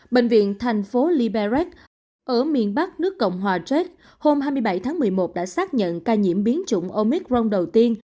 bệnh viện tp liberet ở miền bắc nước cộng hòa czech hôm hai mươi bảy tháng một mươi một đã xác nhận ca nhiễm biến chủng omicron đầu tiên